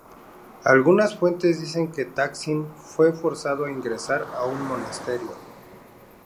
Algunas fuentes dicen que Taksin fue forzado a ingresar en un monasterio.